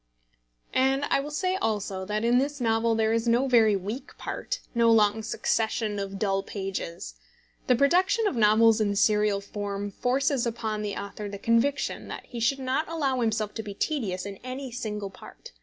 And I will say also that in this novel there is no very weak part, no long succession of dull pages. The production of novels in serial form forces upon the author the conviction that he should not allow himself to be tedious in any single part.